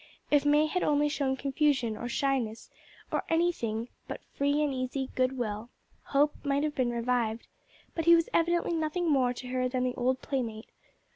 If May had only shown confusion, or shyness, or anything but free and easy goodwill, hope might have revived, but he was evidently nothing more to her than the old playmate.